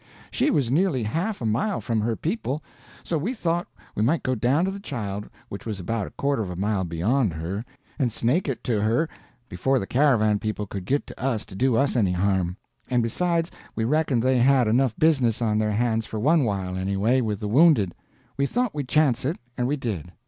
She was nearly a half a mile from her people, so we thought we might go down to the child, which was about a quarter of a mile beyond her, and snake it to her before the caravan people could git to us to do us any harm; and besides, we reckoned they had enough business on their hands for one while, anyway, with the wounded. We thought we'd chance it, and we did.